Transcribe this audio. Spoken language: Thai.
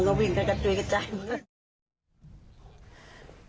พุ่งออกไปเลยวิ่งประจัดช่วยกันจ่าย